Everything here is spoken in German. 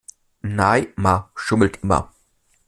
Neymar schummelt immer.